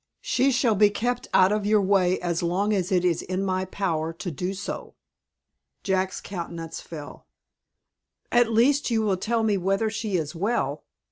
She shall be kept out of your way as long as it is in my power to do so." Jack's countenance fell. "At least you will tell me whether she is well?"